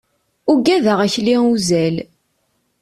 Ugadeɣ akli uzal.